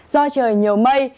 do trời nhiều mây